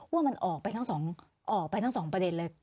ว่ามันออกไปทั้งสองออกไปทั้งสองประเด็นเลย